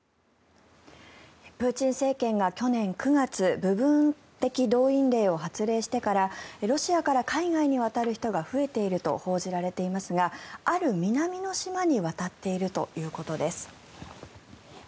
プーチン政権が去年９月部分的動員令を発令してからロシアから海外に渡る人が増えていると報じられていますがある南の島に渡っているということです。